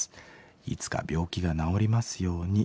いつか病気が治りますように」。